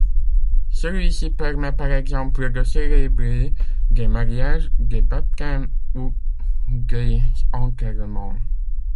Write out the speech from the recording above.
Celui-ci permet par exemple de célébrer des mariages, des baptêmes ou des enterrements.